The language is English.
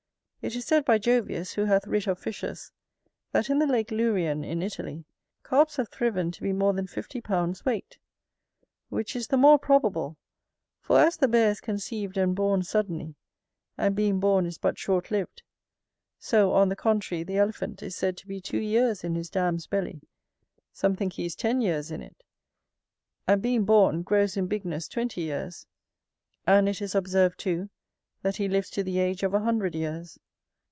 It is said by Jovius, who hath writ of fishes, that in the lake Lurian in Italy, Carps have thriven to be more than fifty pounds weight: which is the more probable, for as the bear is conceived and born suddenly, and being born is but short lived; so, on the contrary, the elephant is said to be two years in his dam's belly, some think he is ten years in it, and being born, grows in bigness twenty years; and it is observed too, that he lives to the age of a hundred years.